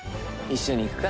一緒に行くか？